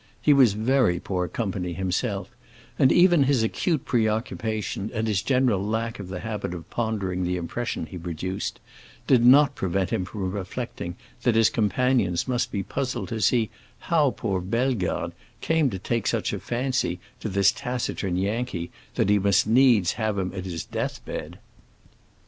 He was very poor company, himself, and even his acute preoccupation and his general lack of the habit of pondering the impression he produced did not prevent him from reflecting that his companions must be puzzled to see how poor Bellegarde came to take such a fancy to this taciturn Yankee that he must needs have him at his death bed.